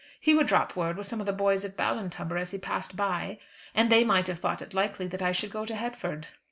He would drop word with some of the boys at Ballintubber as he passed by. And they might have thought it likely that I should go to Headford.